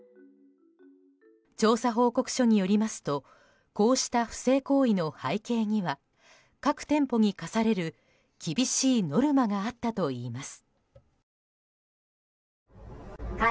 調査報告書によりますとこうした不正行為の背景には各店舗に課される厳しいノルマがあったといいます。